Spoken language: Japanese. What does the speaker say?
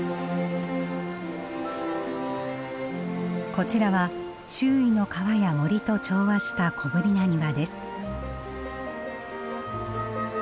こちらは周囲の川や森と調和した小ぶりな庭です。